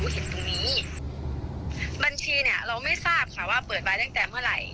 ตอนนี้เราไม่ทราบว่าเปิดไปตัวเองตั้งแต่เมื่อไหร่